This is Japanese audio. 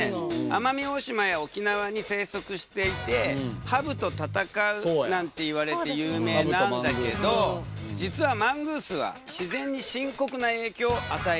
奄美大島や沖縄に生息していてハブと戦うなんていわれて有名なんだけど実はマングースは自然に深刻な影響を与えているんだよね。